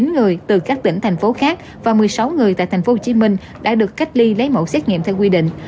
chín người từ các tỉnh thành phố khác và một mươi sáu người tại thành phố hồ chí minh đã được cách ly lấy mẫu xét nghiệm theo quy định